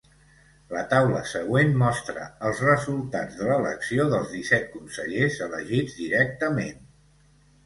La taula següent mostra els resultats de l'elecció dels disset consellers elegits directament.